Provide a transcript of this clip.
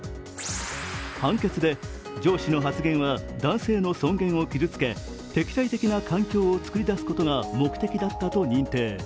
判決で上司の発言は男性の尊厳を傷つけ敵対的な環境を作り出すことが目的だったと認定。